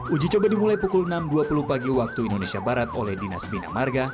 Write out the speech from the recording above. uji coba dimulai pukul enam dua puluh pagi waktu indonesia barat oleh dinas bina marga